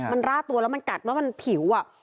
มันร่าตัวแล้วมันกัดแล้วมันผิวอ่ะ